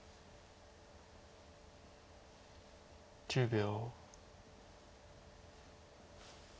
１０秒。